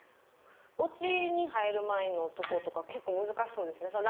落ちに入る前のとことか結構難しそうですね。